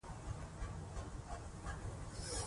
شفاف چلند د سم مدیریت نښه بلل کېږي.